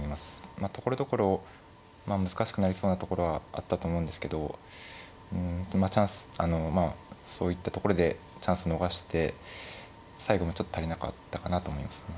まあところどころ難しくなりそうなところはあったと思うんですけどそういったところでチャンス逃して最後もちょっと足りなかったかなと思いますね。